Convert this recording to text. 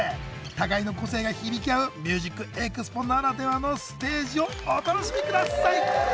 互いの個性が響き合う「ＭＵＳＩＣＥＸＰＯ」ならではのステージをお楽しみください！